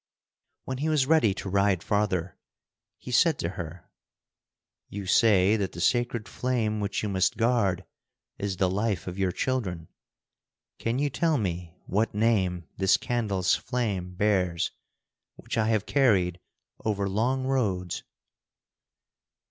When he was ready to ride farther, he said to her: "You say that the sacred flame which you must guard is the life of your children. Can you tell me what name this candle's flame bears, which I have carried over long roads?"